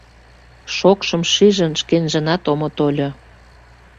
Шокшым шижын, шкенжынат омо тольо.